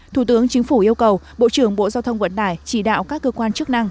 thủ tướng chính phủ yêu cầu bộ trưởng bộ giao thông vận tải chỉ đạo các cơ quan chức năng